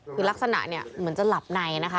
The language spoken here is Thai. คือลักษณะเนี่ยเหมือนจะหลับในนะคะ